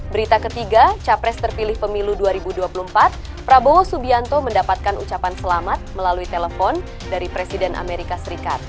berita ketiga capres terpilih pemilu dua ribu dua puluh empat prabowo subianto mendapatkan ucapan selamat melalui telepon dari presiden amerika serikat